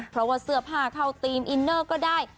เพราะว่าเสื้อผ้าเข้าธีมอินเนอร์ก็ได้